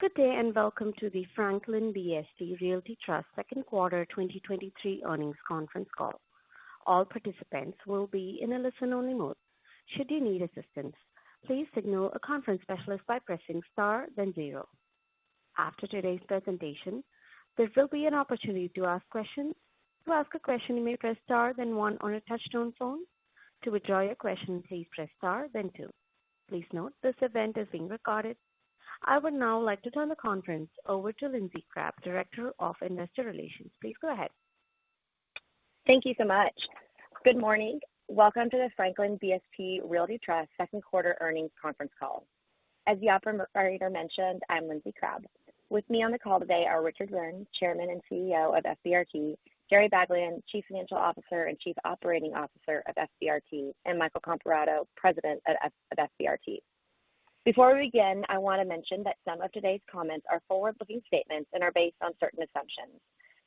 Good day, welcome to the Franklin BSP Realty Trust second quarter 2023 earnings conference call. All participants will be in a listen-only mode. Should you need assistance, please signal a conference specialist by pressing star then zero. After today's presentation, there will be an opportunity to ask questions. To ask a question, you may press star then one on a touch-tone phone. To withdraw your question, please press star then two. Please note this event is being recorded. I would now like to turn the conference over to Lindsey Crabbe, Director of Investor Relations. Please go ahead. Thank you so much. Good morning. Welcome to the Franklin BSP Realty Trust second quarter earnings conference call. As the operator mentioned, I'm Lindsey Crabbe. With me on the call today are Richard Byrne, Chairman and CEO of FBRT; Jerry Baglien, Chief Financial Officer and Chief Operating Officer of FBRT; and Mike Comparato, President of FBRT. Before we begin, I want to mention that some of today's comments are forward-looking statements and are based on certain assumptions.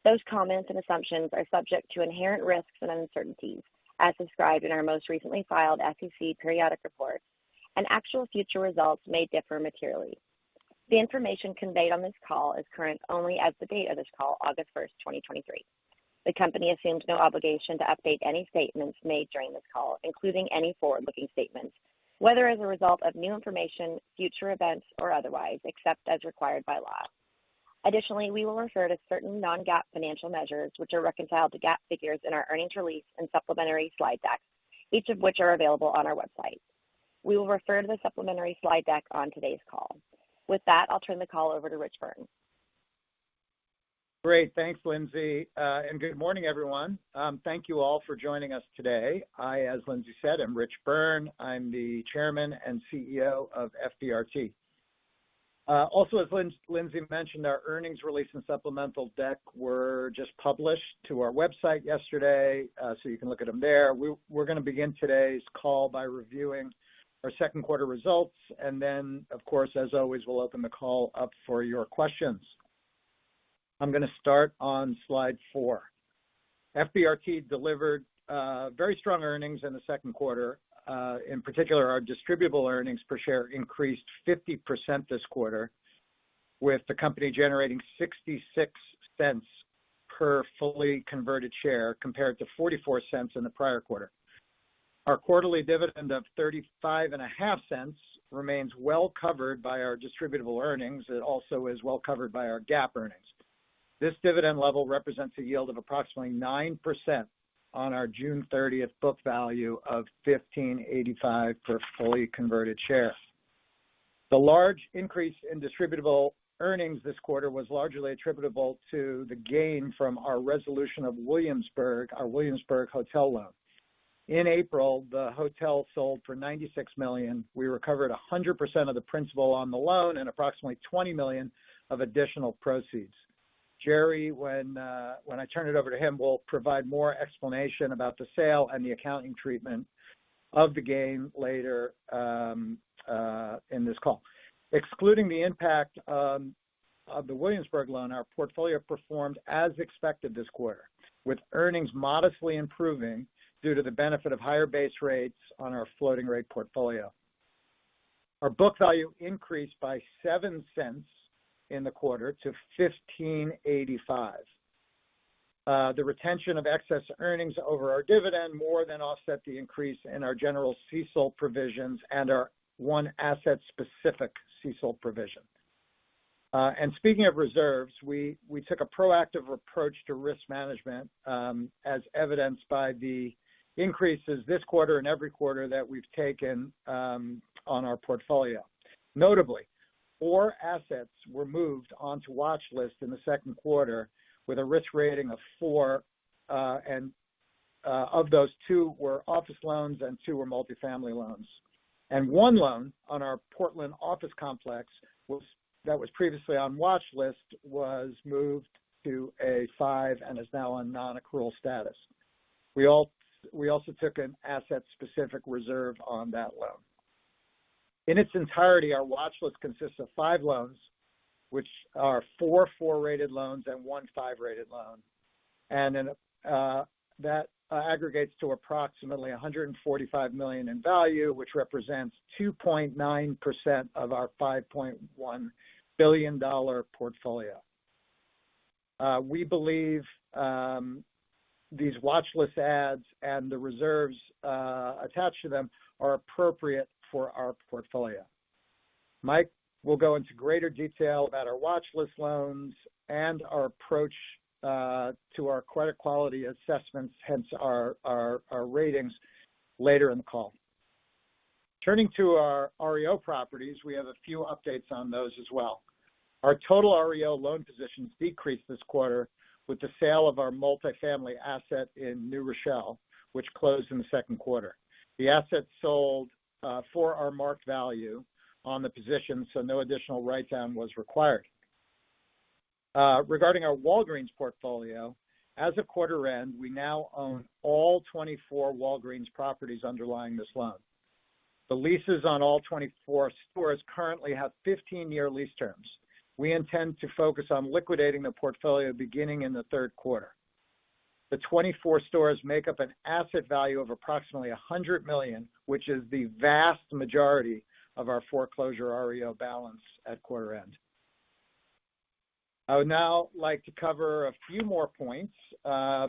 Those comments and assumptions are subject to inherent risks and uncertainties as described in our most recently filed SEC periodic reports, actual future results may differ materially. The information conveyed on this call is current only as the date of this call, August 1st, 2023. The company assumes no obligation to update any statements made during this call, including any forward-looking statements, whether as a result of new information, future events, or otherwise, except as required by law. Additionally, we will refer to certain non-GAAP financial measures, which are reconciled to GAAP figures in our earnings release and supplementary slide deck, each of which are available on our website. We will refer to the supplementary slide deck on today's call. With that, I'll turn the call over to Rich Byrne. Great. Thanks, Lindsey, good morning, everyone. Thank you all for joining us today. As Lindsey said, I'm Rich Byrne. I'm the Chairman and CEO of FBRT. Also, as Lindsey mentioned, our earnings release and supplemental deck were just published to our website yesterday, you can look at them there. We're gonna begin today's call by reviewing our second quarter results, then, of course, as always, we'll open the call up for your questions. I'm gonna start on slide four. FBRT delivered very strong earnings in the second quarter. In particular, our distributable earnings per share increased 50% this quarter, with the company generating $0.66 per fully converted share, compared to $0.44 in the prior quarter. Our quarterly dividend of $0.355 remains well covered by our distributable earnings. It also is well covered by our GAAP earnings. This dividend level represents a yield of approximately 9% on our June 30th book value of $15.85 per fully converted share. The large increase in distributable earnings this quarter was largely attributable to the gain from our resolution of Williamsburg, our Williamsburg Hotel loan. In April, the hotel sold for $96 million. We recovered 100% of the principal on the loan and approximately $20 million of additional proceeds. Jerry, when I turn it over to him, will provide more explanation about the sale and the accounting treatment of the gain later in this call. Excluding the impact of the Williamsburg loan, our portfolio performed as expected this quarter, with earnings modestly improving due to the benefit of higher base rates on our floating rate portfolio. Our book value increased by $0.07 in the quarter to $15.85. The retention of excess earnings over our dividend more than offset the increase in our general CECL provisions and our one asset-specific CECL provision. Speaking of reserves, we took a proactive approach to risk management, as evidenced by the increases this quarter and every quarter that we've taken on our portfolio. Notably, four assets were moved onto watch list in the second quarter with a risk rating of four, and of those, two were office loans and two were multifamily loans. One loan on our Portland office complex that was previously on watch list was moved to a five and is now on non-accrual status. We also took an asset-specific reserve on that loan. In its entirety, our watch list consists of five loans, which are four, four-rated loans and one, five-rated loan, that aggregates to approximately $145 million in value, which represents 2.9% of our $5.1 billion portfolio. We believe these watch list adds and the reserves attached to them are appropriate for our portfolio. Mike will go into greater detail about our watch list loans and our approach to our credit quality assessments, hence our ratings later in the call. Turning to our REO properties, we have a few updates on those as well. Our total REO loan positions decreased this quarter with the sale of our multifamily asset in New Rochelle, which closed in the second quarter. The asset sold for our marked value on the position, so no additional write-down was required. Regarding our Walgreens portfolio, as of quarter end, we now own all 24 Walgreens properties underlying this loan. The leases on all 24 stores currently have 15-year lease terms. We intend to focus on liquidating the portfolio beginning in the third quarter. The 24 stores make up an asset value of approximately $100 million, which is the vast majority of our foreclosure REO balance at quarter end. I would now like to cover a few more points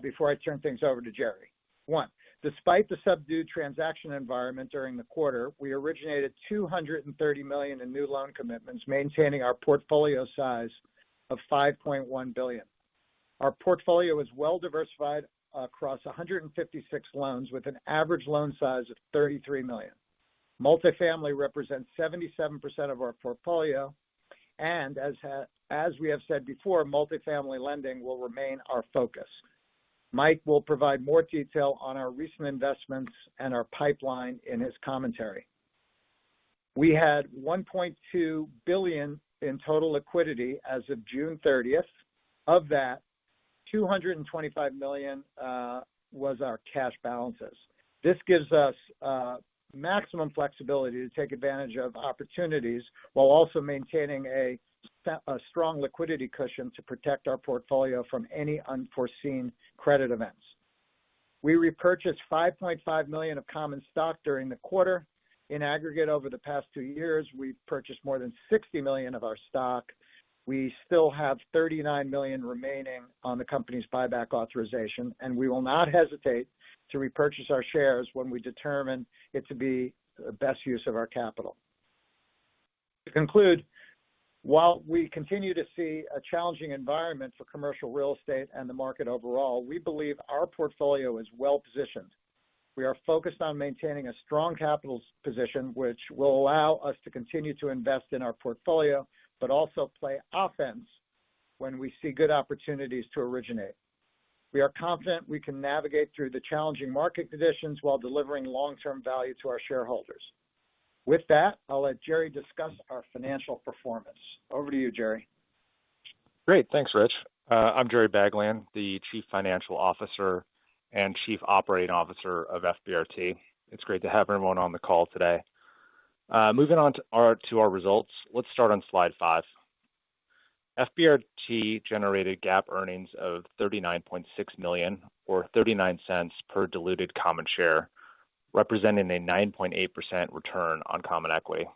before I turn things over to Jerry. One, despite the subdued transaction environment during the quarter, we originated $230 million in new loan commitments, maintaining our portfolio size of $5.1 billion. Our portfolio is well diversified across 156 loans, with an average loan size of $33 million. Multifamily represents 77% of our portfolio, as we have said before, multifamily lending will remain our focus. Mike will provide more detail on our recent investments and our pipeline in his commentary. We had $1.2 billion in total liquidity as of June 30th. Of that, $225 million was our cash balances. This gives us maximum flexibility to take advantage of opportunities, while also maintaining a strong liquidity cushion to protect our portfolio from any unforeseen credit events. We repurchased $5.5 million of common stock during the quarter. In aggregate over the past two years, we've purchased more than $60 million of our stock. We still have $39 million remaining on the company's buyback authorization. We will not hesitate to repurchase our shares when we determine it to be the best use of our capital. To conclude, while we continue to see a challenging environment for commercial real estate and the market overall, we believe our portfolio is well positioned. We are focused on maintaining a strong capital position, which will allow us to continue to invest in our portfolio, but also play offense when we see good opportunities to originate. We are confident we can navigate through the challenging market conditions while delivering long-term value to our shareholders. With that, I'll let Jerry discuss our financial performance. Over to you, Jerry. Great. Thanks, Rich. I'm Jerry Baglien, the Chief Financial Officer and Chief Operating Officer of FBRT. It's great to have everyone on the call today. Moving on to our, to our results. Let's start on slide five. FBRT generated GAAP earnings of $39.6 million, or $0.39 per diluted common share, representing a 9.8% return on common equity.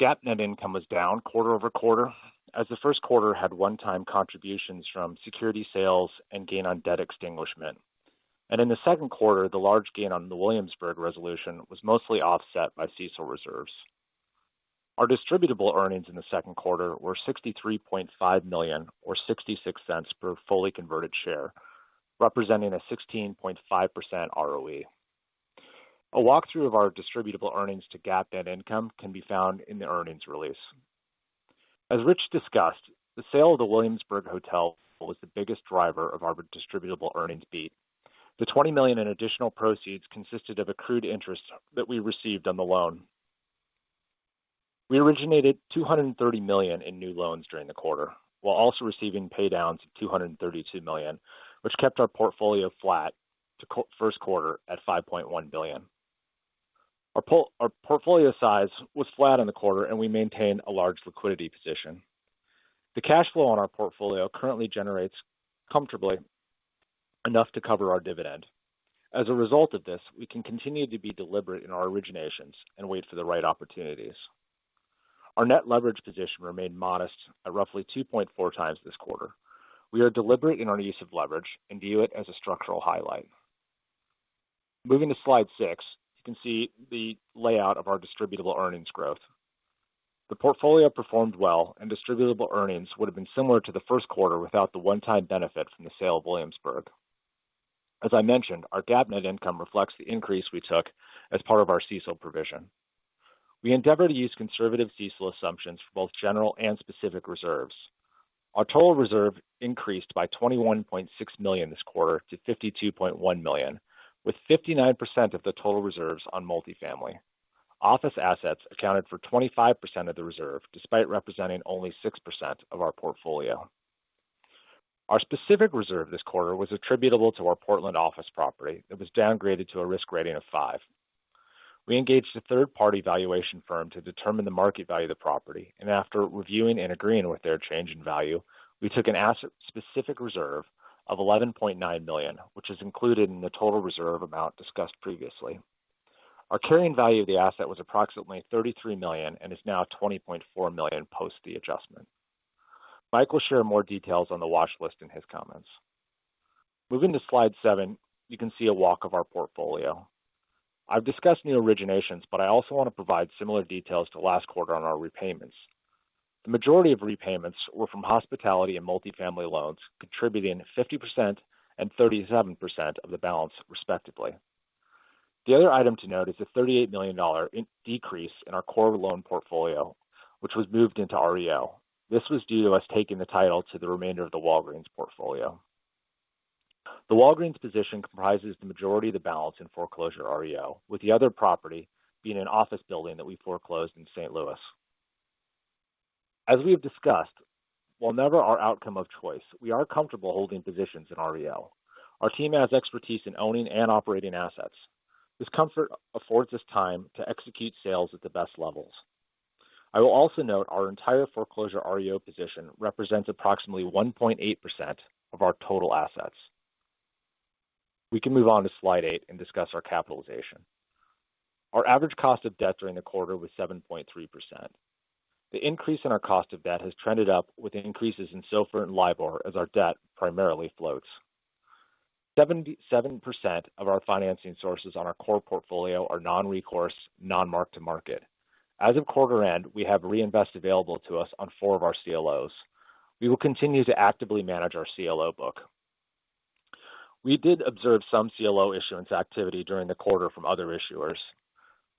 GAAP net income was down quarter-over-quarter, as the first quarter had one-time contributions from security sales and gain on debt extinguishment. In the second quarter, the large gain on the Williamsburg resolution was mostly offset by CECL reserves. Our distributable earnings in the second quarter were $63.5 million, or $0.66 per fully converted share, representing a 16.5% ROE. A walkthrough of our distributable earnings to GAAP net income can be found in the earnings release. As Rich discussed, the sale of the Williamsburg Hotel was the biggest driver of our distributable earnings beat. The $20 million in additional proceeds consisted of accrued interest that we received on the loan. We originated $230 million in new loans during the quarter, while also receiving paydowns of $232 million, which kept our portfolio flat to first quarter at $5.1 billion. Our portfolio size was flat in the quarter, we maintained a large liquidity position. The cash flow on our portfolio currently generates comfortably enough to cover our dividend. As a result of this, we can continue to be deliberate in our originations and wait for the right opportunities. Our net leverage position remained modest at roughly 2.4x this quarter. We are deliberate in our use of leverage and view it as a structural highlight. Moving to slide six, you can see the layout of our distributable earnings growth. The portfolio performed well. distributable earnings would have been similar to the first quarter without the one-time benefit from the sale of Williamsburg. As I mentioned, our GAAP net income reflects the increase we took as part of our CECL provision. We endeavor to use conservative CECL assumptions for both general and specific reserves. Our total reserve increased by $21.6 million this quarter to $52.1 million, with 59% of the total reserves on multifamily. Office assets accounted for 25% of the reserve, despite representing only 6% of our portfolio. Our specific reserve this quarter was attributable to our Portland office property. It was downgraded to a risk rating of five. We engaged a third-party valuation firm to determine the market value of the property, after reviewing and agreeing with their change in value, we took an asset-specific reserve of $11.9 million, which is included in the total reserve amount discussed previously. Our carrying value of the asset was approximately $33 million and is now $20.4 million post the adjustment. Mike will share more details on the watch list in his comments. Moving to slide seven, you can see a walk of our portfolio. I've discussed new originations, I also want to provide similar details to last quarter on our repayments. The majority of repayments were from hospitality and multifamily loans, contributing 50% and 37% of the balance, respectively. The other item to note is a $38 million decrease in our core loan portfolio, which was moved into REO. This was due to us taking the title to the remainder of the Walgreens portfolio. The Walgreens position comprises the majority of the balance in foreclosure REO, with the other property being an office building that we foreclosed in St. Louis. As we have discussed, while never our outcome of choice, we are comfortable holding positions in REO. Our team has expertise in owning and operating assets. This comfort affords us time to execute sales at the best levels. I will also note our entire foreclosure REO position represents approximately 1.8% of our total assets. We can move on to slide eight and discuss our capitalization. Our average cost of debt during the quarter was 7.3%. The increase in our cost of debt has trended up with increases in SOFR and LIBOR as our debt primarily floats. 77% of our financing sources on our core portfolio are non-recourse, non-mark-to-market. As of quarter end, we have reinvest available to us on four of our CLOs. We will continue to actively manage our CLO book. We did observe some CLO issuance activity during the quarter from other issuers.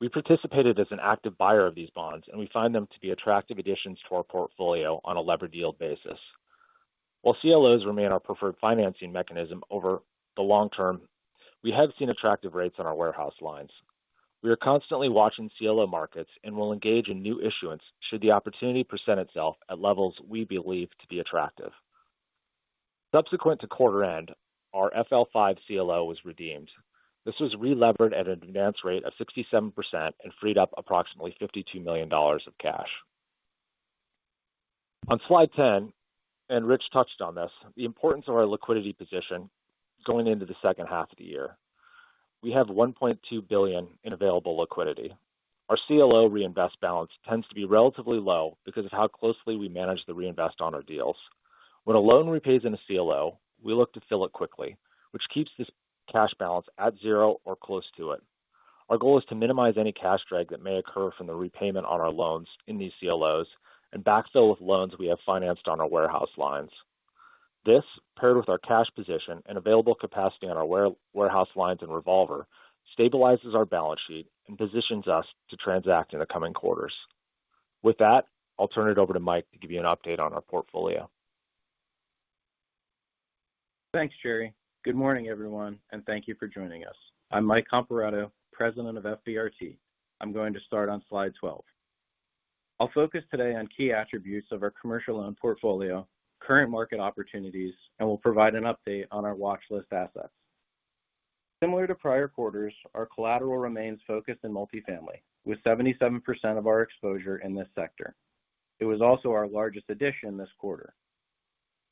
We participated as an active buyer of these bonds, and we find them to be attractive additions to our portfolio on a levered yield basis. While CLOs remain our preferred financing mechanism over the long term, we have seen attractive rates on our warehouse lines. We are constantly watching CLO markets and will engage in new issuance should the opportunity present itself at levels we believe to be attractive. Subsequent to quarter end, our FL5 CLO was redeemed. This was relevered at an advance rate of 67% and freed up approximately $52 million of cash. On slide 10, and Rich touched on this, the importance of our liquidity position going into the second half of the year. We have $1.2 billion in available liquidity. Our CLO reinvest balance tends to be relatively low because of how closely we manage the reinvest on our deals. When a loan repays in a CLO, we look to fill it quickly, which keeps this cash balance at zero or close to it. Our goal is to minimize any cash drag that may occur from the repayment on our loans in these CLOs and backfill with loans we have financed on our warehouse lines. This, paired with our cash position and available capacity on our warehouse lines and revolver, stabilizes our balance sheet and positions us to transact in the coming quarters. With that, I'll turn it over to Mike to give you an update on our portfolio. Thanks, Jerry. Good morning, everyone. Thank you for joining us. I'm Mike Comparato, President of FBRT. I'm going to start on slide 12. I'll focus today on key attributes of our commercial loan portfolio, current market opportunities. Will provide an update on our watch list assets. Similar to prior quarters, our collateral remains focused in multifamily, with 77% of our exposure in this sector. It was also our largest addition this quarter.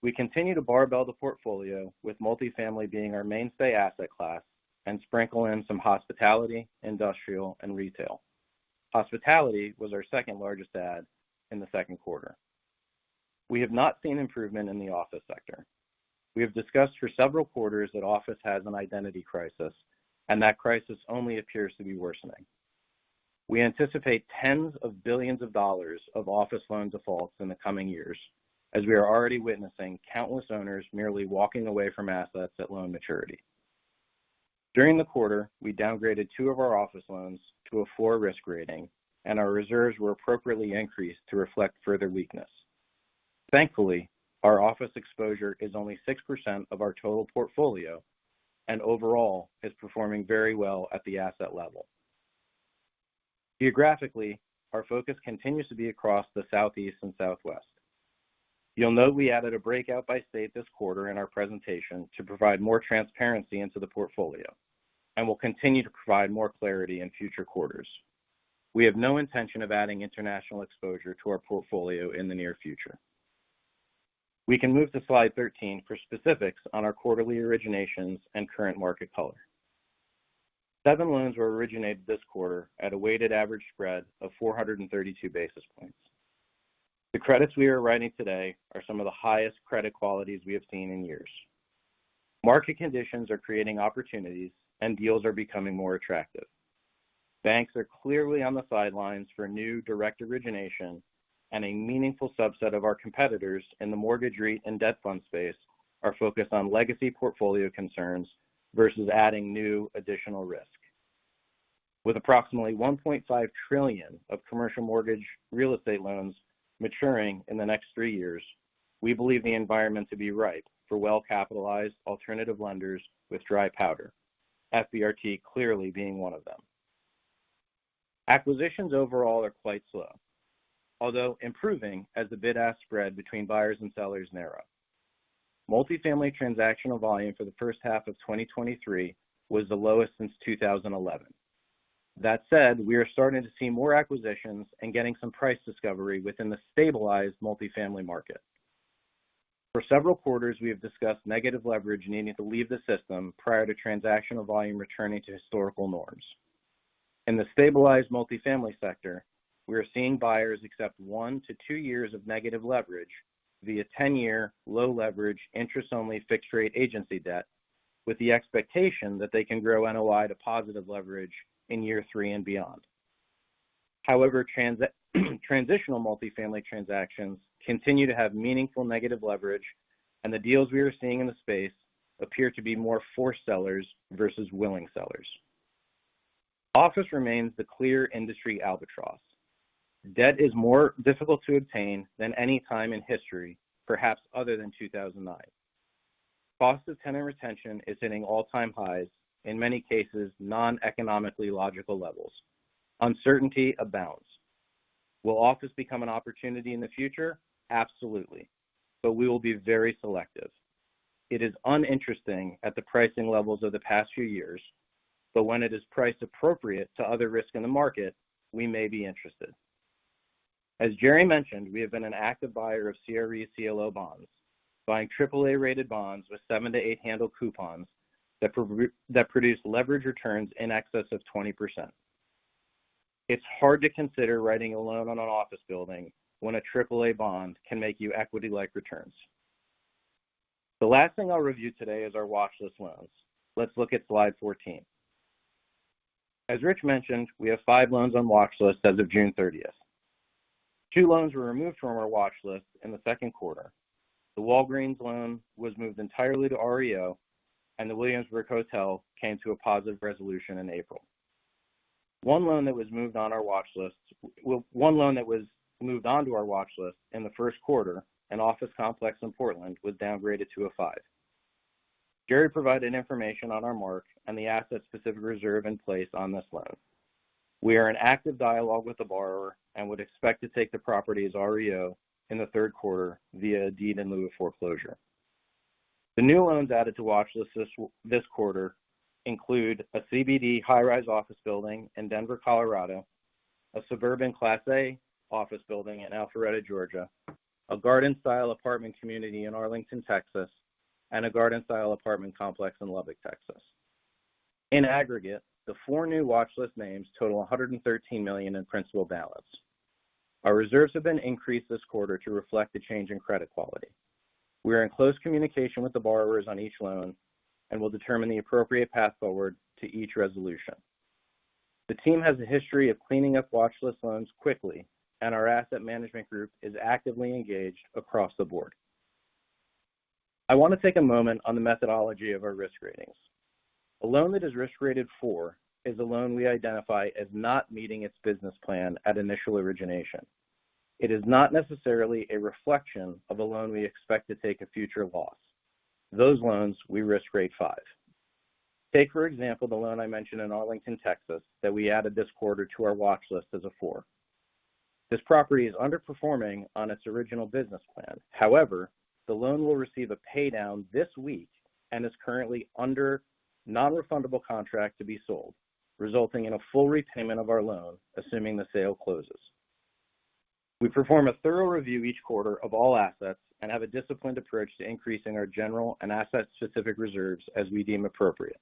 We continue to barbell the portfolio, with multifamily being our mainstay asset class and sprinkle in some hospitality, industrial, and retail. Hospitality was our second-largest add in the second quarter. We have not seen improvement in the office sector. We have discussed for several quarters that office has an identity crisis. That crisis only appears to be worsening. We anticipate tens of billions of dollars of office loan defaults in the coming years, as we are already witnessing countless owners merely walking away from assets at loan maturity. During the quarter, we downgraded two of our office loans to a four risk rating, and our reserves were appropriately increased to reflect further weakness. Thankfully, our office exposure is only 6% of our total portfolio and overall is performing very well at the asset level. Geographically, our focus continues to be across the Southeast and Southwest. You'll note we added a breakout by state this quarter in our presentation to provide more transparency into the portfolio and will continue to provide more clarity in future quarters. We have no intention of adding international exposure to our portfolio in the near future. We can move to slide 13 for specifics on our quarterly originations and current market color. Seven loans were originated this quarter at a weighted average spread of 432 basis points. The credits we are writing today are some of the highest credit qualities we have seen in years. Market conditions are creating opportunities and deals are becoming more attractive. Banks are clearly on the sidelines for new direct origination, and a meaningful subset of our competitors in the mortgage REIT and debt fund space are focused on legacy portfolio concerns versus adding new additional risk. With approximately $1.5 trillion of commercial mortgage real estate loans maturing in the next three years, we believe the environment to be ripe for well-capitalized alternative lenders with dry powder, FBRT clearly being one of them. Acquisitions overall are quite slow, although improving as the bid-ask spread between buyers and sellers narrow. Multifamily transactional volume for the first half of 2023 was the lowest since 2011. That said, we are starting to see more acquisitions and getting some price discovery within the stabilized multifamily market. For several quarters, we have discussed negative leverage needing to leave the system prior to transactional volume returning to historical norms. In the stabilized multifamily sector, we are seeing buyers accept one to two years of negative leverage via 10-year low leverage, interest-only, fixed-rate agency debt, with the expectation that they can grow NOI to positive leverage in year three and beyond. However, transitional multifamily transactions continue to have meaningful negative leverage, and the deals we are seeing in the space appear to be more for sellers versus willing sellers. Office remains the clear industry albatross. Debt is more difficult to obtain than any time in history, perhaps other than 2009. Cost of tenant retention is hitting all-time highs, in many cases, non-economically logical levels. Uncertainty abounds. Will office become an opportunity in the future? Absolutely. We will be very selective. It is uninteresting at the pricing levels of the past few years. When it is price appropriate to other risks in the market, we may be interested. As Jerry mentioned, we have been an active buyer of CRE CLO bonds, buying triple A-rated bonds with seven to eight handle coupons that produce leverage returns in excess of 20%. It's hard to consider writing a loan on an office building when a triple A bond can make you equity-like returns. The last thing I'll review today is our watch list loans. Let's look at slide 14. As Rich mentioned, we have five loans on watch list as of June 30th. Two loans were removed from our watch list in the 2nd quarter. The Walgreens loan was moved entirely to REO, and The Williamsburg Hotel came to a positive resolution in April. One loan that was moved on our watch list, well, one loan that was moved onto our watch list in the 1st quarter, an office complex in Portland, was downgraded to a five. Jerry provided information on our mark and the asset-specific reserve in place on this loan. We are in active dialogue with the borrower and would expect to take the property as REO in the 3rd quarter via a deed in lieu of foreclosure. The new loans added to watch list this, this quarter include a CBD high-rise office building in Denver, Colorado, a suburban Class A office building in Alpharetta, Georgia, a garden-style apartment community in Arlington, Texas, and a garden-style apartment complex in Lubbock, Texas. In aggregate, the four new watch list names total $113 million in principal balance. Our reserves have been increased this quarter to reflect the change in credit quality. We are in close communication with the borrowers on each loan and will determine the appropriate path forward to each resolution. The team has a history of cleaning up watch list loans quickly, and our asset management group is actively engaged across the board. I want to take a moment on the methodology of our risk ratings. A loan that is risk-rated four is a loan we identify as not meeting its business plan at initial origination. It is not necessarily a reflection of a loan we expect to take a future loss. Those loans, we risk rate five. Take, for example, the loan I mentioned in Arlington, Texas, that we added this quarter to our watch list as a four. This property is underperforming on its original business plan. However, the loan will receive a paydown this week and is currently under non-refundable contract to be sold, resulting in a full repayment of our loan, assuming the sale closes. We perform a thorough review each quarter of all assets and have a disciplined approach to increasing our general and asset-specific reserves as we deem appropriate.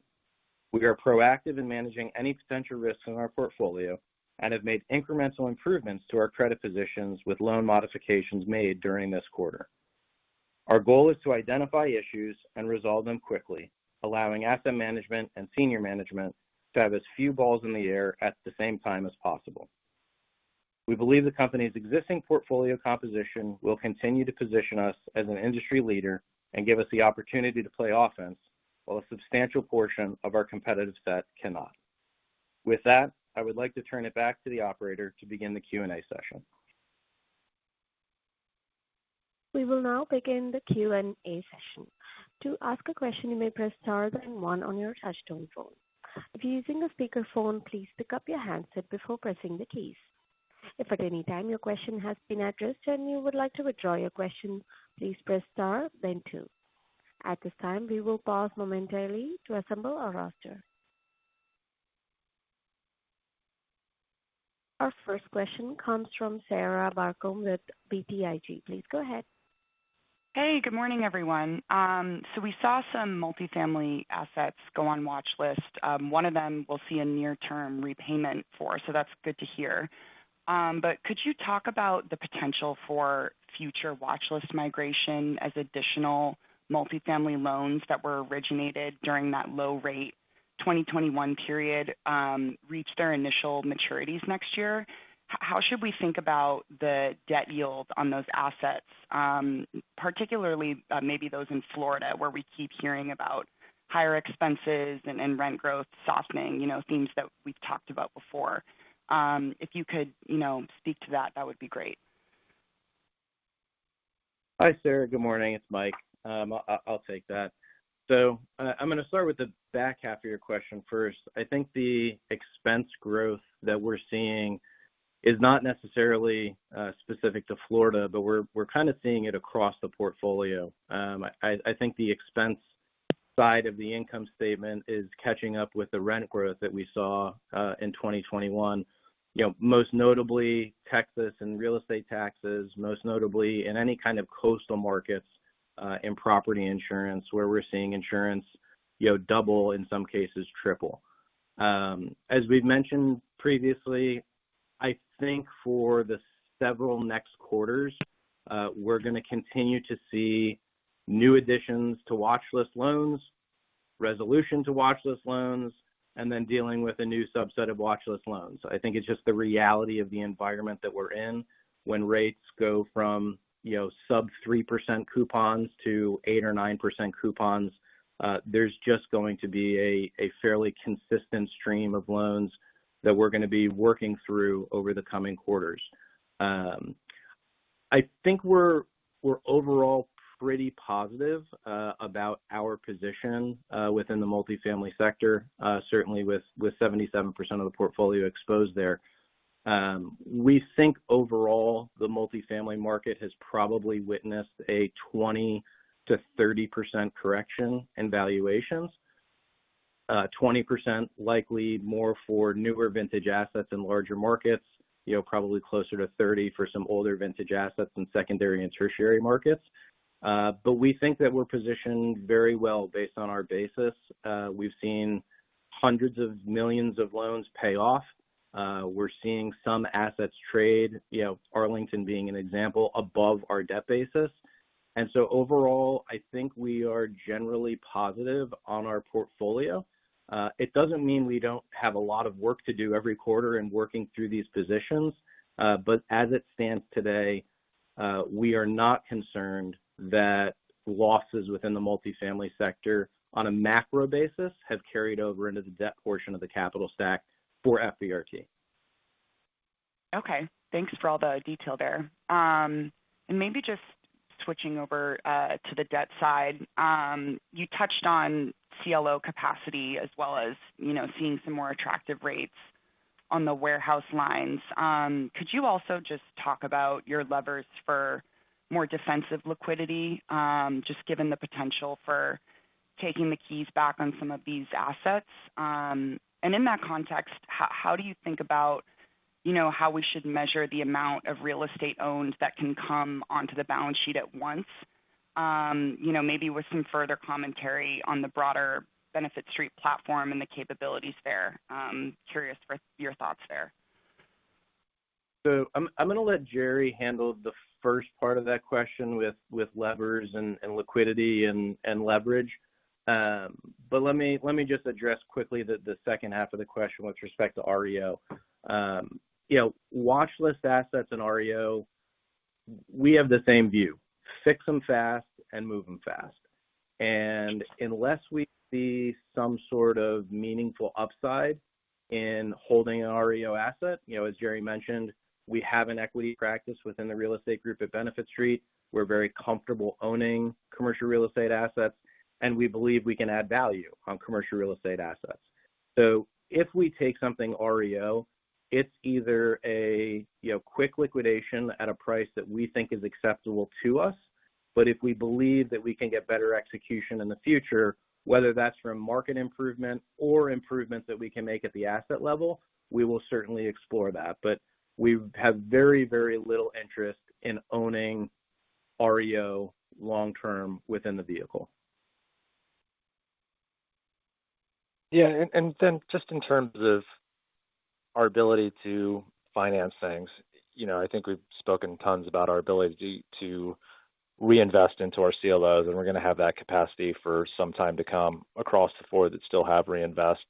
We are proactive in managing any potential risks in our portfolio and have made incremental improvements to our credit positions with loan modifications made during this quarter. Our goal is to identify issues and resolve them quickly, allowing asset management and senior management to have as few balls in the air at the same time as possible. We believe the company's existing portfolio composition will continue to position us as an industry leader and give us the opportunity to play offense, while a substantial portion of our competitive set cannot. With that, I would like to turn it back to the operator to begin the Q&A session. We will now begin the Q&A session. To ask a question, you may press star then one on your touch-tone phone. If you're using a speakerphone, please pick up your handset before pressing the keys. If at any time your question has been addressed and you would like to withdraw your question, please press star then two. At this time, we will pause momentarily to assemble our roster. Our first question comes from Sarah Barcomb with BTIG. Please go ahead. Good morning, everyone. We saw some multifamily assets go on watch list. One of them will see a near-term repayment for, that's good to hear. Could you talk about the potential for future watch list migration as additional multifamily loans that were originated during that low-rate 2021 period, reach their initial maturities next year? How should we think about the debt yield on those assets, particularly, maybe those in Florida, where we keep hearing about higher expenses and rent growth softening, you know, themes that we've talked about before. If you could, you know, speak to that, that would be great. Hi, Sarah. Good morning. It's Mike. I'll, I'll take that. I'm gonna start with the back half of your question first. I think the expense growth that we're seeing is not necessarily specific to Florida, but we're, we're kind of seeing it across the portfolio. I, I think the expense side of the income statement is catching up with the rent growth that we saw in 2021. You know, most notably Texas and real estate taxes, most notably in any kind of coastal markets, in property insurance, where we're seeing insurance, you know, double, in some cases, triple. As we've mentioned previously, I think for the several next quarters, we're gonna continue to see new additions to watch list loans, resolution to watch list loans, and then dealing with a new subset of watch list loans. I think it's just the reality of the environment that we're in when rates go from, you know, sub 3% coupons to 8% or 9% coupons. There's just going to be a fairly consistent stream of loans that we're gonna be working through over the coming quarters. I think we're overall pretty positive about our position within the multifamily sector, certainly with 77% of the portfolio exposed there. We think overall, the multifamily market has probably witnessed a 20%-30% correction in valuations. 20% likely more for newer vintage assets in larger markets, you know, probably closer to 30% for some older vintage assets in secondary and tertiary markets. We think that we're positioned very well based on our basis. We've seen hundreds of millions of loans pay off. We're seeing some assets trade, you know, Arlington being an example, above our debt basis. Overall, I think we are generally positive on our portfolio. It doesn't mean we don't have a lot of work to do every quarter in working through these positions, but as it stands today, we are not concerned that losses within the multifamily sector on a macro basis have carried over into the debt portion of the capital stack for FBRT. Okay, thanks for all the detail there. Maybe just switching over to the debt side. You touched on CLO capacity as well as, you know, seeing some more attractive rates on the warehouse lines. Could you also just talk about your levers for more defensive liquidity, just given the potential for taking the keys back on some of these assets? In that context, how do you think about, you know, how we should measure the amount of real estate owned that can come onto the balance sheet at once? You know, maybe with some further commentary on the broader Benefit Street platform and the capabilities there. I'm curious for your thoughts there. I'm, I'm going to let Jerry handle the first part of that question with, with levers and, and liquidity and, and leverage. Let me, let me just address quickly the, the second half of the question with respect to REO. you know, watch list assets in REO, we have the same view: fix them fast and move them fast. Unless we see some sort of meaningful upside in holding an REO asset, you know, as Jerry mentioned, we have an equity practice within the real estate group at Benefit Street. We're very comfortable owning commercial real estate assets, and we believe we can add value on commercial real estate assets. If we take something REO, it's either a, you know, quick liquidation at a price that we think is acceptable to us, but if we believe that we can get better execution in the future, whether that's from market improvement or improvements that we can make at the asset level, we will certainly explore that. We have very, very little interest in owning REO long term within the vehicle. Yeah, then just in terms of our ability to finance things, you know, I think we've spoken tons about our ability to reinvest into our CLOs, and we're going to have that capacity for some time to come across the four that still have reinvest.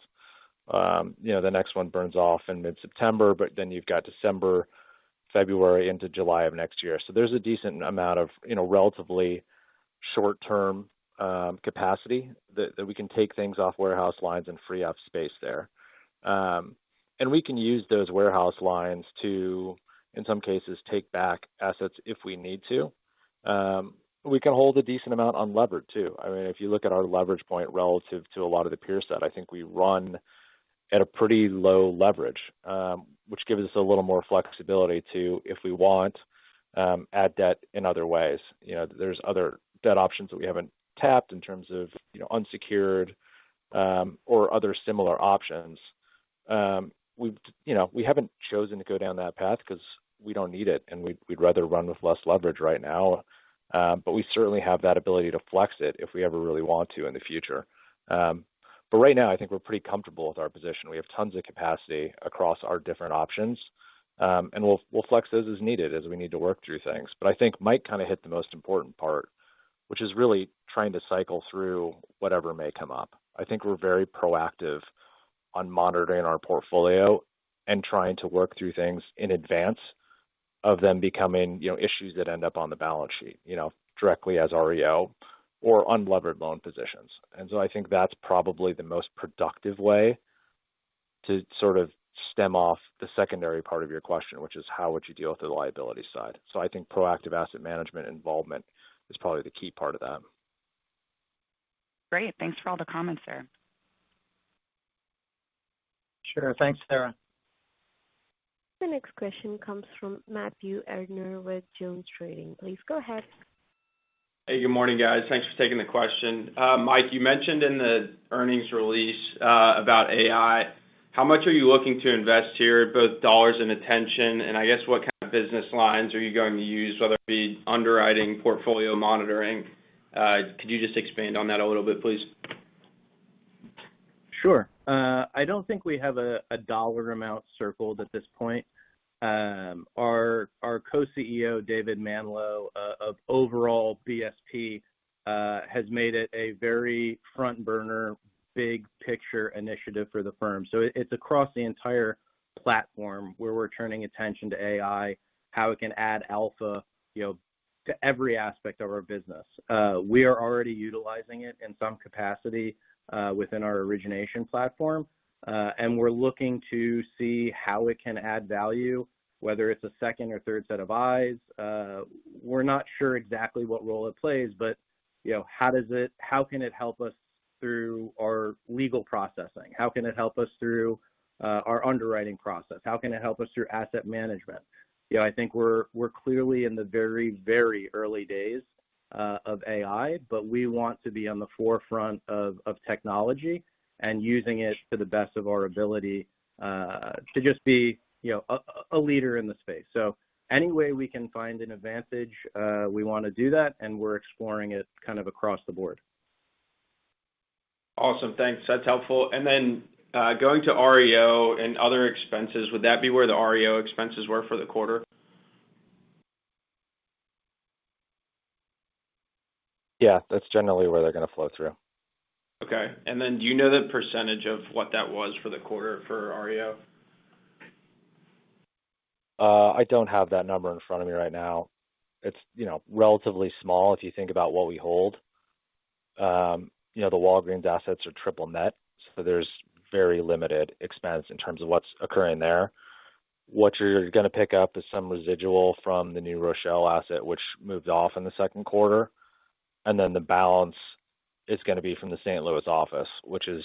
You know, the next one burns off in mid-September, then you've got December, February into July of next year. There's a decent amount of, you know, relatively short term capacity that, that we can take things off warehouse lines and free up space there. We can use those warehouse lines to, in some cases, take back assets if we need to. We can hold a decent amount unlevered too. I mean, if you look at our leverage point relative to a lot of the peers set, I think we run at a pretty low leverage, which gives us a little more flexibility to, if we want, add debt in other ways. You know, there's other debt options that we haven't tapped in terms of, you know, unsecured, or other similar options. We've, you know, we haven't chosen to go down that path because we don't need it, and we'd, we'd rather run with less leverage right now. We certainly have that ability to flex it if we ever really want to in the future. Right now, I think we're pretty comfortable with our position. We have tons of capacity across our different options, and we'll, we'll flex those as needed, as we need to work through things. I think Mike kind of hit the most important part, which is really trying to cycle through whatever may come up. I think we're very proactive on monitoring our portfolio and trying to work through things in advance of them becoming, you know, issues that end up on the balance sheet, you know, directly as REO or unlevered loan positions. I think that's probably the most productive way to sort of stem off the secondary part of your question, which is how would you deal with the liability side? I think proactive asset management involvement is probably the key part of that. Great. Thanks for all the comments, sir. Sure. Thanks, Sarah. The next question comes from Matthew Erdner with JonesTrading. Please go ahead. Hey, good morning, guys. Thanks for taking the question. Mike, you mentioned in the earnings release, about AI. How much are you looking to invest here, both dollars and attention? I guess, what kind of business lines are you going to use, whether it be underwriting, portfolio monitoring? Could you just expand on that a little bit, please? Sure. I don't think we have a, a dollar amount circled at this point. Our Co-CEO, David Manlowe, of overall BSP, has made it a very front burner, big picture initiative for the firm. It, it's across the entire platform where we're turning attention to AI, how it can add alpha, you know, to every aspect of our business. We are already utilizing it in some capacity within our origination platform, and we're looking to see how it can add value, whether it's a second or third set of eyes. We're not sure exactly what role it plays, but, you know, how can it help us? Through our legal processing? How can it help us through our underwriting process? How can it help us through asset management? You know, I think we're, we're clearly in the very, very early days of AI, but we want to be on the forefront of, of technology and using it to the best of our ability, to just be, you know, a, a leader in the space. Any way we can find an advantage, we wanna do that, and we're exploring it kind of across the board. Awesome. Thanks. That's helpful. Then, going to REO and other expenses, would that be where the REO expenses were for the quarter? Yeah, that's generally where they're going to flow through. Okay. Then do you know the percentage of what that was for the quarter for REO? I don't have that number in front of me right now. It's, you know, relatively small if you think about what we hold. You know, the Walgreens assets are triple net, so there's very limited expense in terms of what's occurring there. What you're gonna pick up is some residual from the New Rochelle asset, which moved off in the second quarter, and then the balance is gonna be from the St. Louis office, which is,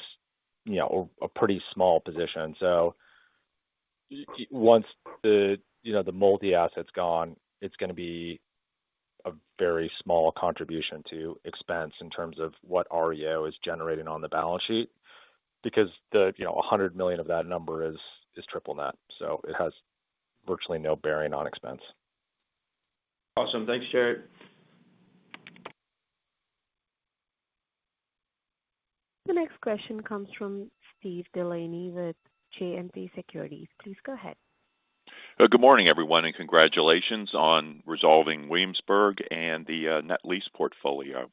you know, a pretty small position. Once the, you know, the multi-asset's gone, it's gonna be a very small contribution to expense in terms of what REO is generating on the balance sheet. Because the, you know, $100 million of that number is, is triple net, so it has virtually no bearing on expense. Awesome. Thanks, Jerry. The next question comes from Steve DeLaney with JMP Securities. Please go ahead. Good morning, everyone, and congratulations on resolving Williamsburg and the net lease portfolio.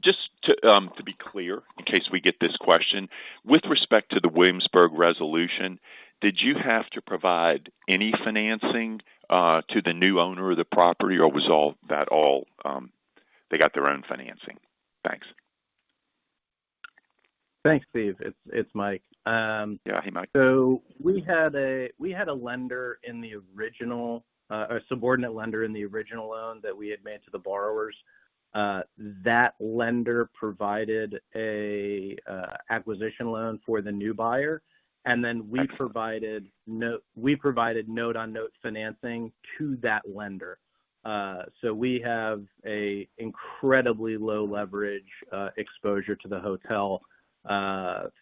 Just to be clear, in case we get this question, with respect to the Williamsburg resolution, did you have to provide any financing to the new owner of the property, or was all that all they got their own financing? Thanks. Thanks, Steve. It's, it's Mike. Yeah. Hey, Mike. We had a lender in the original-- a subordinate lender in the original loan that we had made to the borrowers. That lender provided a acquisition loan for the new buyer, and then we provided note-on-note financing to that lender. We have a incredibly low leverage exposure to the hotel,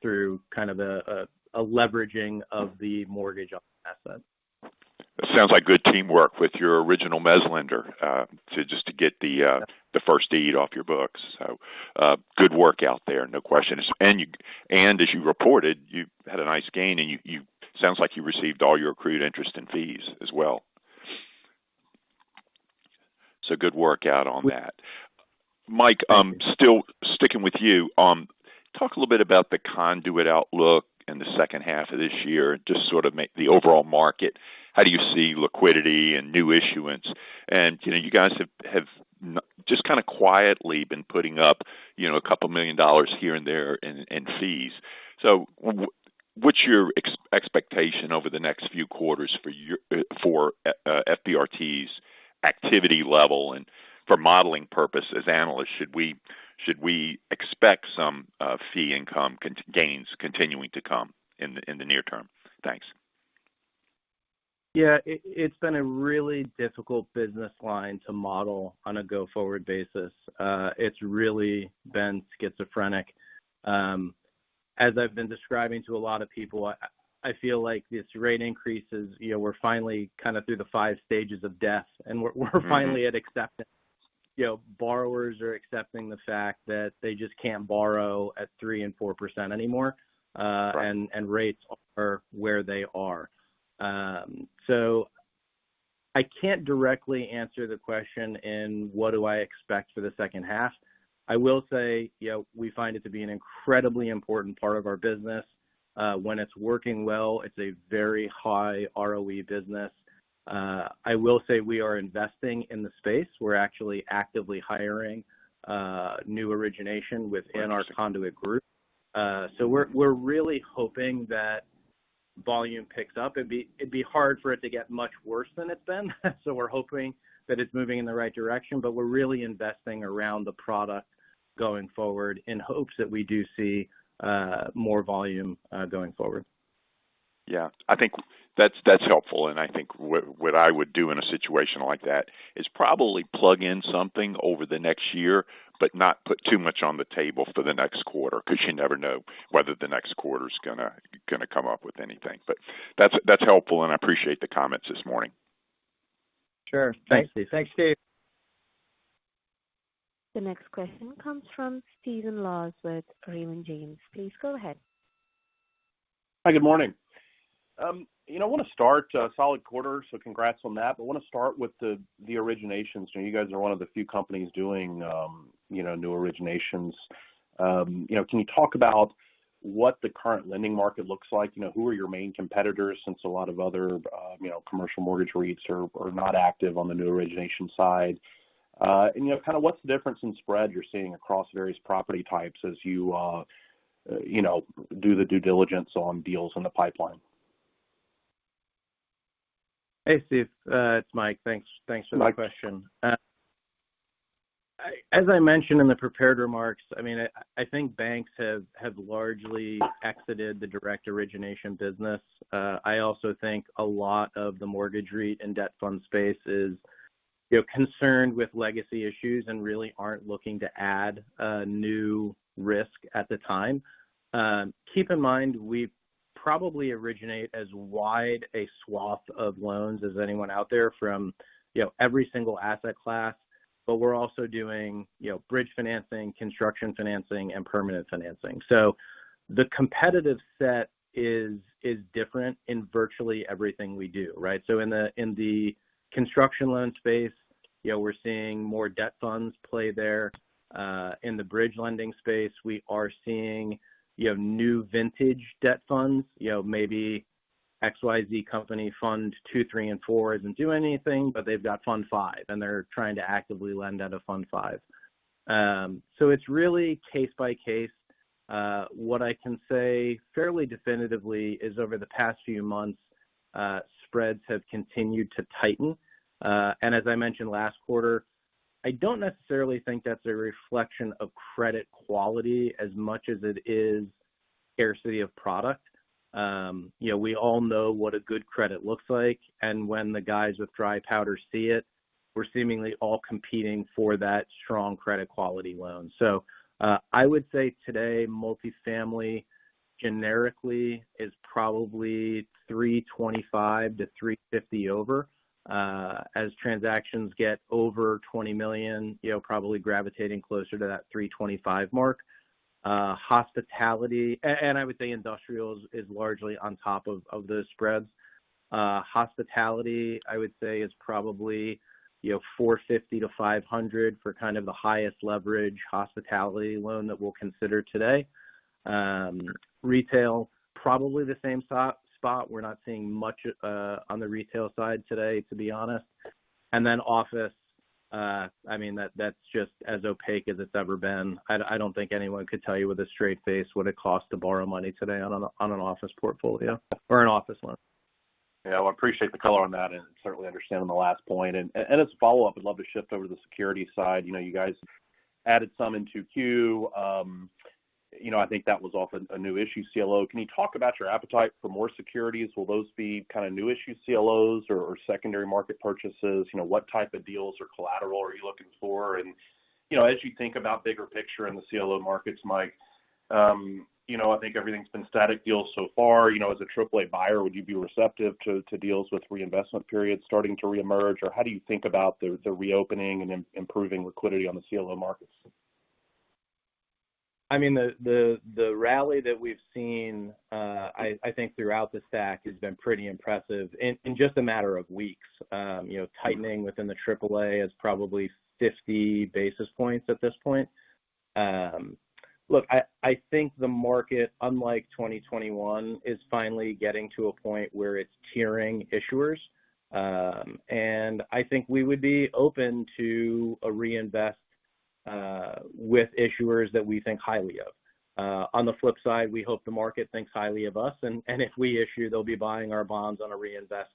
through kind of a leveraging of the mortgage on the asset. It sounds like good teamwork with your original mezzanine lender, to just to get the, the first deed off your books. Good work out there, no question. As you reported, you had a nice gain, and you, sounds like you received all your accrued interest and fees as well. Good work out on that. Mike, still sticking with you. Talk a little bit about the conduit outlook in the second half of this year, and just sort of make the overall market. How do you see liquidity and new issuance? You know, you guys have, just kinda quietly been putting up, you know, $2 million here and there in, in fees. What's your expectation over the next few quarters for FBRT's activity level and for modeling purposes, analysts, should we, should we expect some fee income gains continuing to come in the, in the near term? Thanks. Yeah, it, it's been a really difficult business line to model on a go-forward basis. It's really been schizophrenic. As I've been describing to a lot of people, I, I feel like this rate increases, you know, we're finally kind of through the five stages of death, and we're, we're finally at acceptance. You know, borrowers are accepting the fact that they just can't borrow at 3% and 4% anymore. Right and, and rates are where they are. I can't directly answer the question in what do I expect for the second half. I will say, you know, we find it to be an incredibly important part of our business. When it's working well, it's a very high ROE business. I will say we are investing in the space. We're actually actively hiring, new origination within our conduit group. We're really hoping that volume picks up. It'd be hard for it to get much worse than it's been. We're hoping that it's moving in the right direction, but we're really investing around the product going forward in hopes that we do see, more volume, going forward. Yeah, I think that's, that's helpful. I think what, what I would do in a situation like that is probably plug in something over the next year, but not put too much on the table for the next quarter, because you never know whether the next quarter is gonna, gonna come up with anything. That's, that's helpful, and I appreciate the comments this morning. Sure. Thanks. Thanks, Steve. The next question comes from Stephen Laws with Raymond James. Please go ahead. Hi, good morning. You know, I want to start, solid quarter, so congrats on that. I want to start with the, the originations. You know, you guys are one of the few companies doing, you know, new originations. You know, can you talk about what the current lending market looks like? You know, who are your main competitors, since a lot of other, you know, commercial mortgage REITs are, are not active on the new origination side? You know, kind of what's the difference in spread you're seeing across various property types as you, you know, do the due diligence on deals in the pipeline? Hey, Steve, it's Mike. Thanks, thanks for the question. As I mentioned in the prepared remarks, I mean, I think banks have, have largely exited the direct origination business. I also think a lot of the mortgage REIT and debt fund space is, you know, concerned with legacy issues and really aren't looking to add new risk at the time. Keep in mind, we probably originate as wide a swath of loans as anyone out there from, you know, every single asset class, but we're also doing, you know, bridge financing, construction financing, and permanent financing. The competitive set is, is different in virtually everything we do, right? In the, in the construction loan space, you know, we're seeing more debt funds play there. In the bridge lending space, we are seeing new vintage debt funds. You know, maybe XYZ company fund two, three, and four isn't doing anything, but they've got fund five, and they're trying to actively lend out of fund five. It's really case by case. What I can say fairly definitively is over the past few months, spreads have continued to tighten. As I mentioned last quarter, I don't necessarily think that's a reflection of credit quality as much as it is scarcity of product. You know, we all know what a good credit looks like, and when the guys with dry powder see it, we're seemingly all competing for that strong credit quality loan. I would say today, multifamily, generically, is probably 325-350 over. As transactions get over $20 million, you know, probably gravitating closer to that 325 mark. Hospitality, I would say industrial is, is largely on top of, of those spreads. Hospitality, I would say, is probably, you know, $450-$500 for kind of the highest leverage hospitality loan that we'll consider today. Retail, probably the same so- spot. We're not seeing much on the retail side today, to be honest. Office, I mean, that's just as opaque as it's ever been. I don't think anyone could tell you with a straight face what it costs to borrow money today on an, on an office portfolio or an office loan. Yeah. Well, I appreciate the color on that and certainly understanding the last point. As a follow-up, I'd love to shift over to the security side. You know, you guys added some in Q2. You know, I think that was often a new issue, CLO. Can you talk about your appetite for more securities? Will those be kind of new issue CLOs or, or secondary market purchases? You know, what type of deals or collateral are you looking for? You know, as you think about bigger picture in the CLO markets, Mike, you know, I think everything's been static deals so far. You know, as a AAA buyer, would you be receptive to, to deals with reinvestment periods starting to reemerge? How do you think about the, the reopening and improving liquidity on the CLO markets? I mean, the, the, the rally that we've seen, I, I think throughout this stack has been pretty impressive in, in just a matter of weeks. You know, tightening within the triple A is probably 50 basis points at this point. Look, I, I think the market, unlike 2021, is finally getting to a point where it's tiering issuers. I think we would be open to a reinvest with issuers that we think highly of. On the flip side, we hope the market thinks highly of us, and, and if we issue, they'll be buying our bonds on a reinvest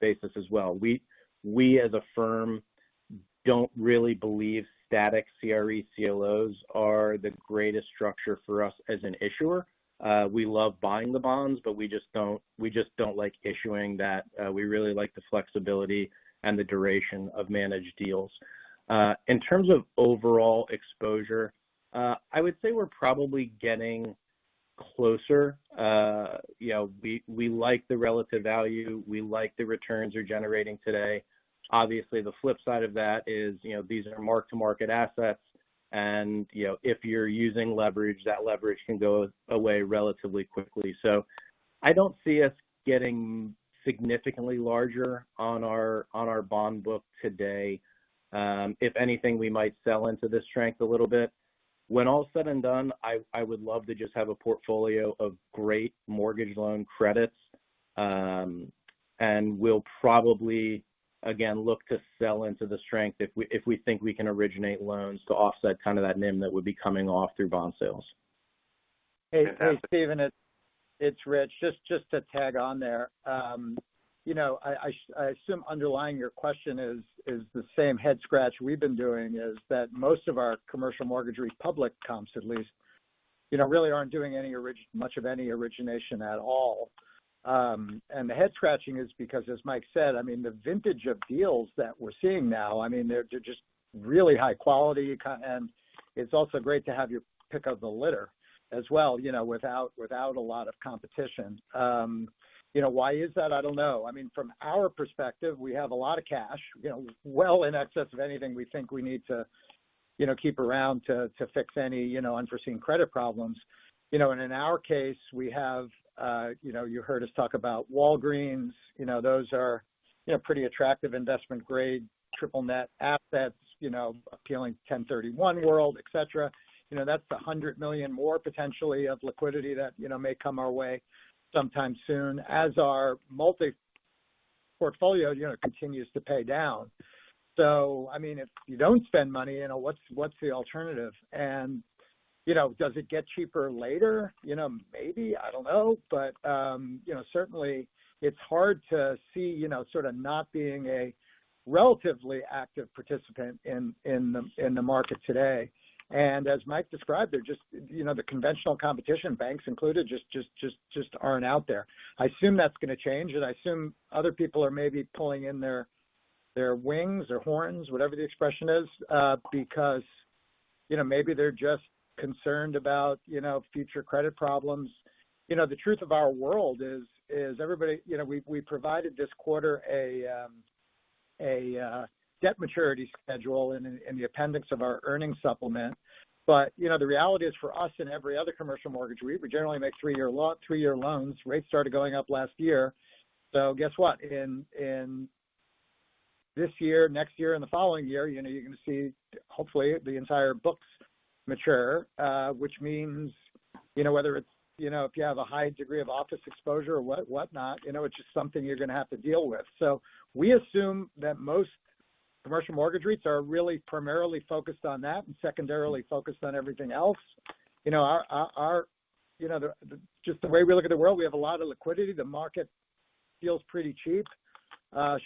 basis as well. We, we, as a firm, don't really believe static CRE CLOs are the greatest structure for us as an issuer. We love buying the bonds, but we just don't, we just don't like issuing that. We really like the flexibility and the duration of managed deals. In terms of overall exposure, I would say we're probably getting closer. You know, we, we like the relative value. We like the returns we're generating today. Obviously, the flip side of that is, you know, these are mark-to-market assets, and, you know, if you're using leverage, that leverage can go away relatively quickly. I don't see us getting significantly larger on our, on our bond book today. If anything, we might sell into this strength a little bit. When all said and done, I, I would love to just have a portfolio of great mortgage loan credits. We'll probably, again, look to sell into the strength if we, if we think we can originate loans to offset kind of that NIM that would be coming off through bond sales. Hey, hey, Stephen, it's, it's Rich. Just, just to tag on there. You know, I, I, I assume underlying your question is, is the same head scratch we've been doing, is that most of our commercial mortgage REIT comps, at least, you know, really aren't doing much of any origination at all. The head-scratching is because, as Mike said, I mean, the vintage of deals that we're seeing now, I mean, they're, they're just really high quality. It's also great to have your pick of the litter as well, you know, without, without a lot of competition. You know, why is that? I don't know. I mean, from our perspective, we have a lot of cash, you know, well in excess of anything we think we need to, you know, keep around to, to fix any, you know, unforeseen credit problems. You know, in our case, we have, you know, you heard us talk about Walgreens. You know, those are, you know, pretty attractive investment grade, triple net assets, you know, appealing 1031 world, et cetera. You know, that's $100 million more potentially of liquidity that, you know, may come our way sometime soon, as our multi-portfolio, you know, continues to pay down. I mean, if you don't spend money, you know, what's, what's the alternative? You know, does it get cheaper later? You know, maybe. I don't know. You know, certainly it's hard to see, you know, sort of not being a relatively active participant in, in the, in the market today. As Mike described, there, you know, the conventional competition, banks included, just aren't out there. I assume that's going to change, and I assume other people are maybe pulling in their, their wings or horns, whatever the expression is, because, you know, maybe they're just concerned about, you know, future credit problems. You know, the truth of our world is, is everybody-- you know, we, we provided this quarter a, a debt maturity schedule in, in the appendix of our earnings supplement. You know, the reality is for us and every other commercial mortgage REIT, we generally make three-year three-year loans. Rates started going up last year. Guess what? In, in this year, next year and the following year, you know, you're going to see, hopefully, the entire books mature, which means, you know, whether it's, you know, if you have a high degree of office exposure or what, whatnot, you know, it's just something you're going to have to deal with. We assume that most commercial mortgage REITs are really primarily focused on that and secondarily focused on everything else. You know, the, just the way we look at the world, we have a lot of liquidity.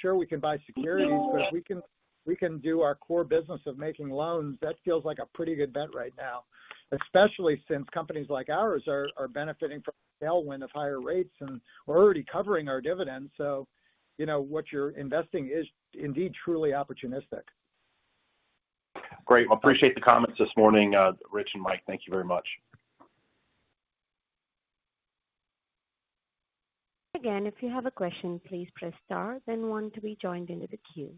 Sure, we can buy securities, but if we can, we can do our core business of making loans, that feels like a pretty good bet right now. Especially since companies like ours are, are benefiting from the tailwind of higher rates, and we're already covering our dividend. You know, what you're investing is indeed truly opportunistic. Great. Well, appreciate the comments this morning, Rich and Mike. Thank you very much. Again, if you have a question, please press star, then one to be joined into the queue.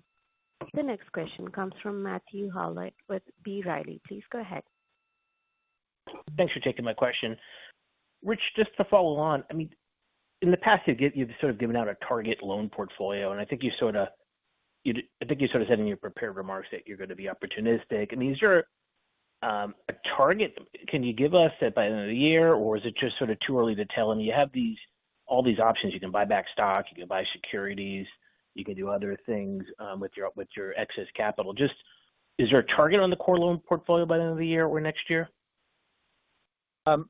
The next question comes from Matthew Howlett with B. Riley. Please go ahead. Thanks for taking my question. Rich, just to follow on, I mean, in the past, you've, you've sort of given out a target loan portfolio, and I think you sorta, I think you sort of said in your prepared remarks that you're going to be opportunistic. I mean, is there a target? Can you give us that by the end of the year, or is it just sort of too early to tell? I mean, you have all these options. You can buy back stock, you can buy securities, you can do other things with your, with your excess capital. Just, is there a target on the core loan portfolio by the end of the year or next year?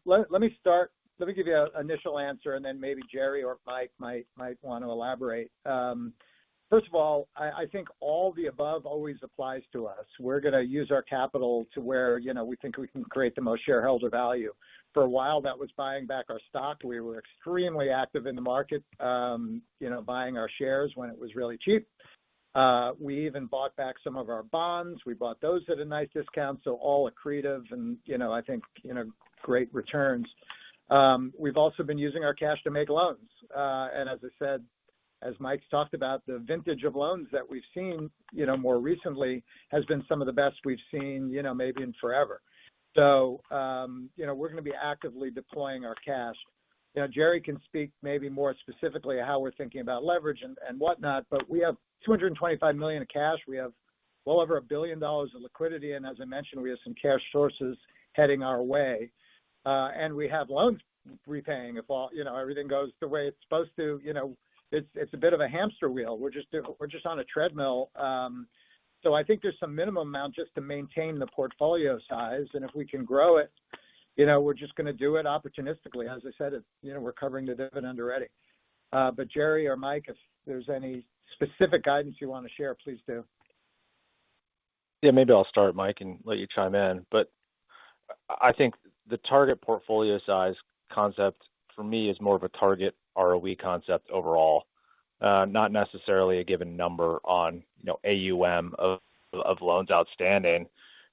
Let, let me start. Let me give you a initial answer, and then maybe Jerry or Mike might, might want to elaborate. First of all, I, I think all the above always applies to us. We're going to use our capital to where, you know, we think we can create the most shareholder value. For a while, that was buying back our stock. We were extremely active in the market, you know, buying our shares when it was really cheap. We even bought back some of our bonds. We bought those at a nice discount. All accretive and, you know, I think, you know, great returns. We've also been using our cash to make loans. As I said, as Mike talked about, the vintage of loans that we've seen, you know, more recently has been some of the best we've seen, you know, maybe in forever. We're going to be actively deploying our cash. You know, Jerry can speak maybe more specifically how we're thinking about leverage and, and whatnot, but we have $225 million in cash. We have well over $1 billion of liquidity, and as I mentioned, we have some cash sources heading our way. We have loans repaying. If all, you know, everything goes the way it's supposed to, you know, it's, it's a bit of a hamster wheel. We're just, we're just on a treadmill. So I think there's some minimum amount just to maintain the portfolio size, and if we can grow it, you know, we're just going to do it opportunistically. As I said, it's, you know, we're covering the dividend already. Jerry or Mike, if there's any specific guidance you want to share, please do. Yeah, maybe I'll start, Mike, let you chime in. I, I think the target portfolio size concept for me is more of a target ROE concept overall. Not necessarily a given number on, you know, AUM of, of loans outstanding,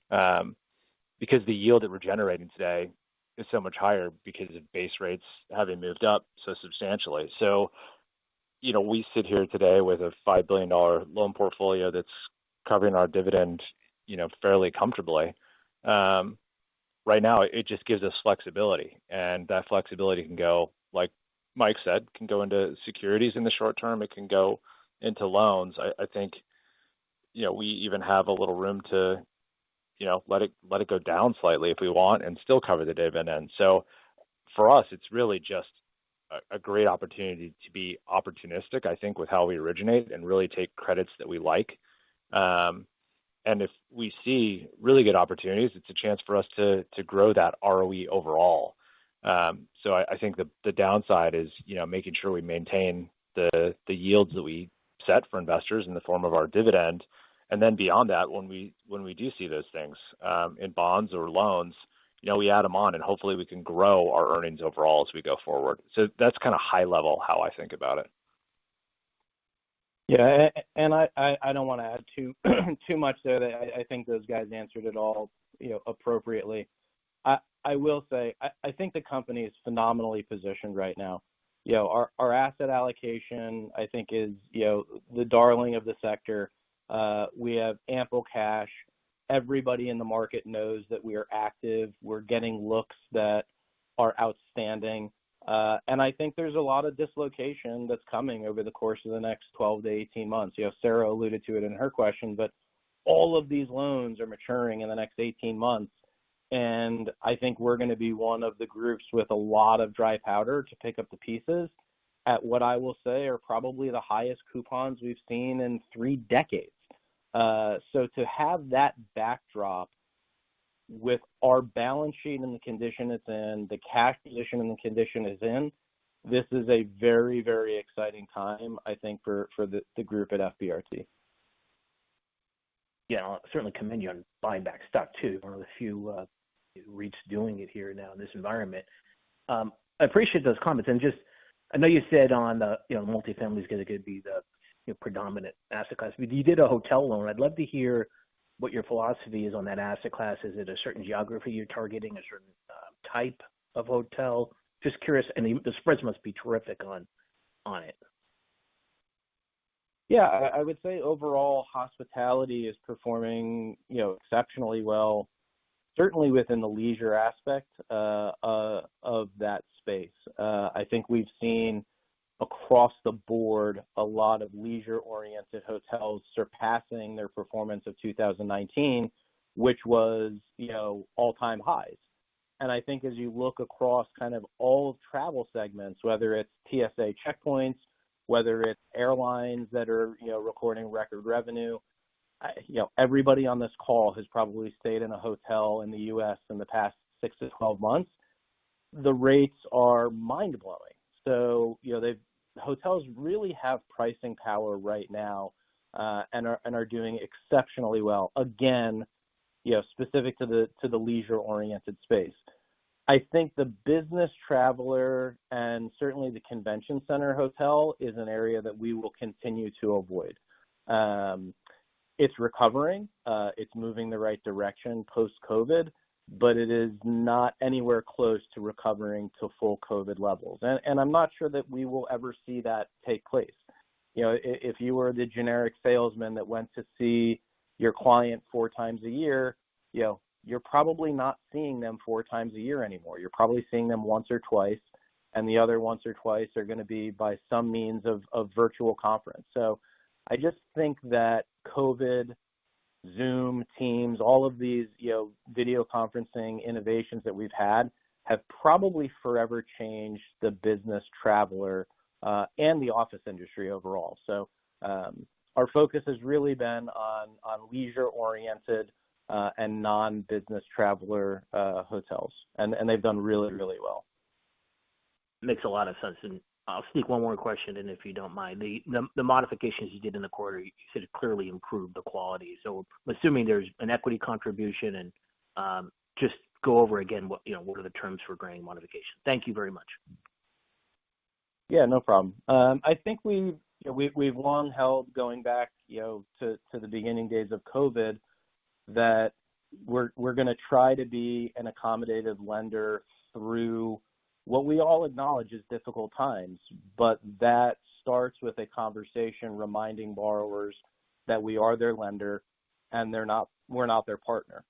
because the yield that we're generating today is so much higher because the base rates haven't moved up so substantially. You know, we sit here today with a $5 billion loan portfolio that's covering our dividend, you know, fairly comfortably. Right now, it just gives us flexibility, that flexibility can go, like Mike said, can go into securities in the short term, it can go into loans. I, I think, you know, we even have a little room to, you know, let it, let it go down slightly if we want still cover the dividend. For us, it's really just a, a great opportunity to be opportunistic, I think, with how we originate and really take credits that we like. If we see really good opportunities, it's a chance for us to, to grow that ROE overall. I, I think the, the downside is, you know, making sure we maintain the, the yields that we set for investors in the form of our dividend. Beyond that, when we, when we do see those things, in bonds or loans, you know, we add them on, and hopefully, we can grow our earnings overall as we go forward. That's kind of high level, how I think about it. Yeah, I, I don't want to add too, too much there. I, I think those guys answered it all, you know, appropriately. I, I will say, I, I think the company is phenomenally positioned right now. You know, our, our asset allocation, I think is, you know, the darling of the sector. We have ample cash. Everybody in the market knows that we are active. We're getting looks that are outstanding. I think there's a lot of dislocation that's coming over the course of the next 12-18 months. You know, Sarah alluded to it in her question, but all of these loans are maturing in the next 18 months, and I think we're going to be one of the groups with a lot of dry powder to pick up the pieces at what I will say are probably the highest coupons we've seen in three decades.... To have that backdrop with our balance sheet and the condition it's in, the cash position and the condition it's in, this is a very, very exciting time, I think, for, for the, the group at FBRT. Yeah. I certainly commend you on buying back stock, too. One of the few REITs doing it here now in this environment. I appreciate those comments. Just, I know you said on the, you know, multifamily is going to be the, you know, predominant asset class. You did a hotel loan. I'd love to hear what your philosophy is on that asset class. Is it a certain geography you're targeting, a certain type of hotel? Just curious. The spreads must be terrific on, on it. Yeah, I, I would say overall, hospitality is performing, you know, exceptionally well, certainly within the leisure aspect of that space. I think we've seen across the board a lot of leisure-oriented hotels surpassing their performance of 2019, which was, you know, all-time highs. I think as you look across kind of all travel segments, whether it's TSA checkpoints, whether it's airlines that are, you know, recording record revenue, you know, everybody on this call has probably stayed in a hotel in the U.S. in the past six to 12 months. The rates are mind-blowing. You know, hotels really have pricing power right now, and are, and are doing exceptionally well. Again, you know, specific to the, to the leisure-oriented space. I think the business traveler, and certainly the convention center hotel, is an area that we will continue to avoid. It's recovering, it's moving in the right direction post-COVID, but it is not anywhere close to recovering to full COVID levels. I'm not sure that we will ever see that take place. You know, if you were the generic salesman that went to see your client four times a year, you know, you're probably not seeing them four times a year anymore. You're probably seeing them once or twice, and the other once or twice are going to be by some means of, of virtual conference. I just think that COVID, Zoom, Teams, all of these, you know, video conferencing innovations that we've had, have probably forever changed the business traveler, and the office industry overall. Our focus has really been on, on leisure-oriented, and non-business traveler, hotels, and, and they've done really, really well. Makes a lot of sense. I'll sneak one more question in, if you don't mind. The, the modifications you did in the quarter, you said it clearly improved the quality. Assuming there's an equity contribution and, just go over again what, you know, what are the terms for granting modification? Thank you very much. Yeah, no problem. I think we've, you know, we've, we've long held, going back, you know, to, to the beginning days of COVID, that we're, we're going to try to be an accommodative lender through what we all acknowledge is difficult times, but that starts with a conversation reminding borrowers that we are their lender and they're not, we're not their partner,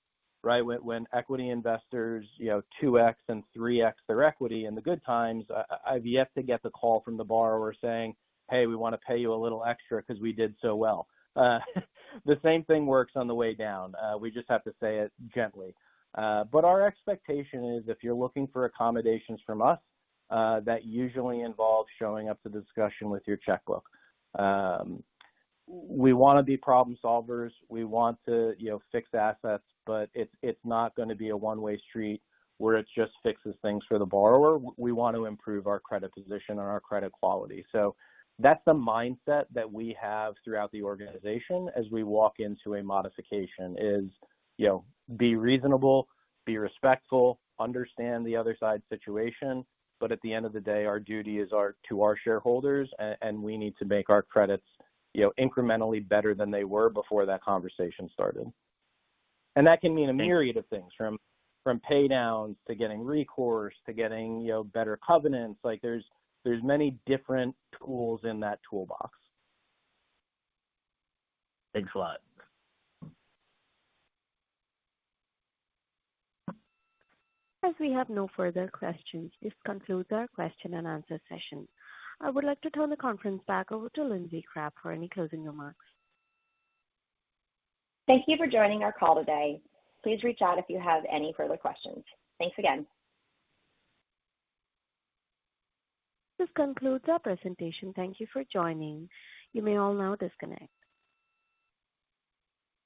right? When, when equity investors, you know, 2X and 3X their equity in the good times, I, I've yet to get the call from the borrower saying, "Hey, we want to pay you a little extra because we did so well." The same thing works on the way down. We just have to say it gently. But our expectation is if you're looking for accommodations from us, that usually involves showing up to the discussion with your checkbook. We want to be problem solvers. We want to, you know, fix assets, but it's, it's not going to be a one-way street where it just fixes things for the borrower. We want to improve our credit position and our credit quality. That's the mindset that we have throughout the organization as we walk into a modification is, you know, be reasonable, be respectful, understand the other side's situation, but at the end of the day, our duty is to our shareholders, and we need to make our credits, you know, incrementally better than they were before that conversation started. That can mean a myriad of things, from, from pay downs to getting recourse, to getting, you know, better covenants. Like, there's, there's many different tools in that toolbox. Thanks a lot. As we have no further questions, this concludes our question and answer session. I would like to turn the conference back over to Lindsey Crabbe for any closing remarks. Thank you for joining our call today. Please reach out if you have any further questions. Thanks again. This concludes our presentation. Thank you for joining. You may all now disconnect.